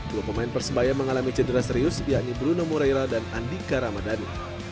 dua pemain persebaya mengalami cedera serius yakni bruno moreira dan andika ramadhani